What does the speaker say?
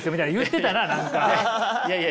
いやいや。